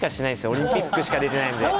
オリンピックしか出ていないので。